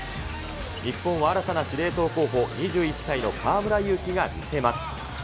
日本は新たな司令塔候補、２１歳の河村勇輝が見せます。